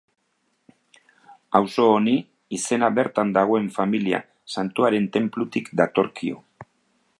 Auzo honi izena bertan dagoen Familia Santuaren tenplutik datorkio.